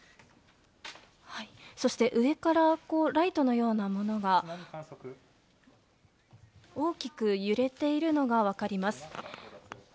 そして、上からライトのようなものが大きく揺れているのが分かります。